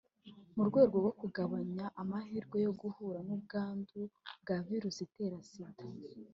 mu rwego rwo kugabanya amahirwe yo guhura n’ubwandu bwa virusi itera Sida